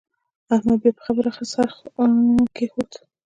احمد بيا پر خبره څرخ کېښود.